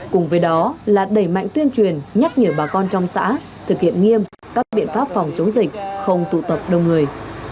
cùng với đó là đẩy mạnh tuyên truyền nhắc nhở bà con trong xã thực hiện nghiêm các biện pháp phòng chống dịch không tụ tập đông người